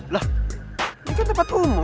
loh ini kan tempat umum